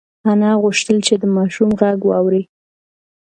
انا غوښتل چې د ماشوم غږ واوري.